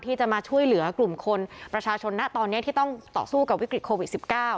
ที่จะมาช่วยเหลือกลุ่มคนประชาชนนะตอนนี้ที่ต้องต่อสู้กับวิกฤตโควิด๑๙